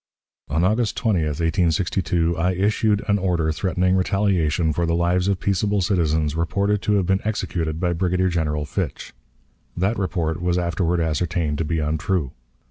On August 20, 1862, I issued an order threatening retaliation for the lives of peaceable citizens reported to have been executed by Brigadier General Fitch. That report was afterward ascertained to be untrue.